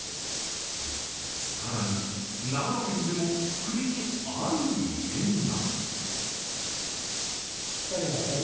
更に、長野県でも栗にある異変が。